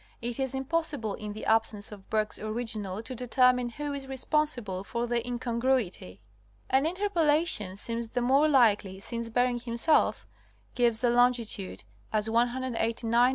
153 it is impossible in the absence of Bergh's original to determine who is responsible for the incongruity. An interpolation seems the more likely since Beriny himself gives the longitude as 189° 55' E.